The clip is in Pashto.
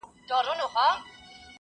آيا سياستپوهنه يوازي د فيلسوفانو کار دی؟